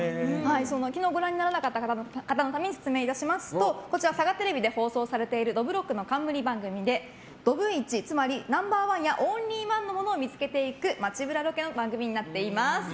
昨日ご覧にならなかった方のために説明いたしますとサガテレビで放送されているどぶろっくの冠番組でどぶイチ、つまりナンバー１やオンリー１の物を見つけていく街ブラロケの番組になっています。